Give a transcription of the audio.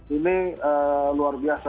ini luar biasa